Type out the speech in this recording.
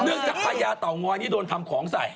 เนื่องจากพระอยาเตาง่อยนี่โดนความของใส่